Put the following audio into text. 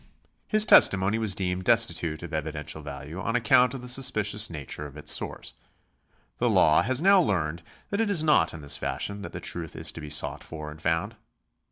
His testimony was deemed destitute of evidential value on account of the suspicious nature of its source. The law has now learned that it is not in this fashion that the truth is to be sought for and found.